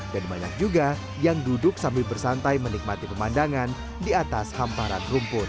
dan banyak juga yang duduk sambil bersantai menikmati pemandangan di atas hamparan rumput